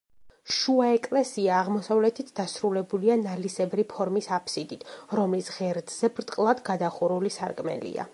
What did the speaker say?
შუა ეკლესია აღმოსავლეთით დასრულებულია ნალისებრი ფორმის აფსიდით, რომლის ღერძზე ბრტყლად გადახურული სარკმელია.